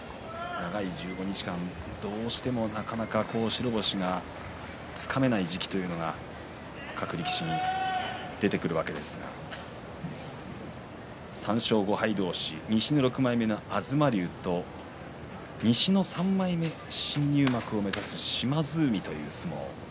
長い１５日間どうしてもなかなか白星がつかめない時期というのは各力士に出てくるわけですが３勝５敗同士西の６枚目の東龍と西の３枚目新入幕を目指す島津海という相撲。